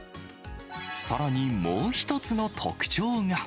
さらにもう一つの特徴が。